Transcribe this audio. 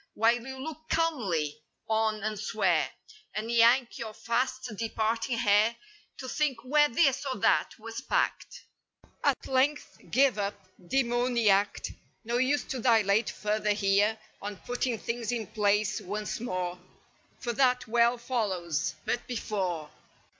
While you look calmly (?) on and swear. And yank your fast departing hair To think where this or that was packed— At length, give up, demoniaced. No use to dilate further here On putting things in place once more. For that well follows. But before.